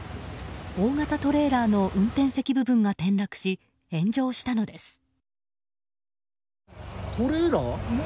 大型トレーラーの運転席部分が転落し炎上したのです。